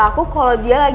sebelum sebuah kegembiraan